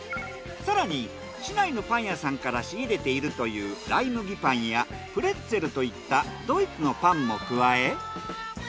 更に市内のパン屋さんから仕入れているというライ麦パンやプレッツェルといったドイツのパンも加え。